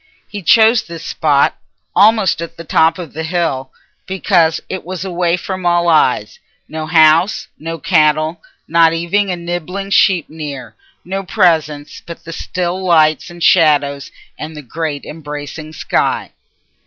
He chose this spot, almost at the top of the hill, because it was away from all eyes—no house, no cattle, not even a nibbling sheep near—no presence but the still lights and shadows and the great embracing sky.